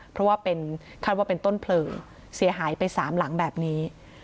เพราะว่าเป็นคาดว่าเป็นต้นเพลิงเสียหายไป๓หลังแบบนี้